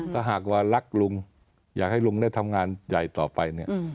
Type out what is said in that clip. ถ้าหากลักลุงอยากให้ลุงได้ทำงานใหญ่ต่อไป